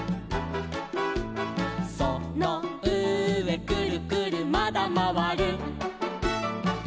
「そのうえくるくるまだまわる」